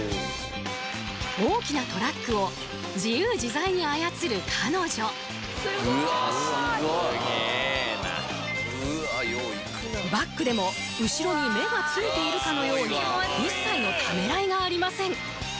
大きなトラックを自由自在に操る彼女すごいうわっすごいすげえなうわよういくなバックでも後ろに目がついているかのように一切のためらいがありません